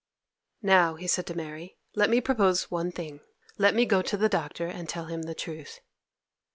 'Now,' he said to Mary, 'let me propose one thing. Let me go to the Doctor and tell him the truth.